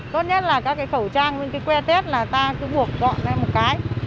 tốt nhất là các cái khẩu trang với cái que tét là ta cứ buộc gọn lên một cái